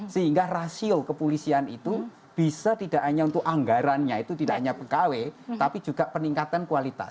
sehingga rasio kepolisian itu bisa tidak hanya untuk anggarannya itu tidak hanya pegawai tapi juga peningkatan kualitas